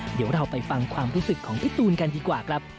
เดี๋ยวเราไปฟังความรู้สึกของพี่ตูนกันดีกว่าครับ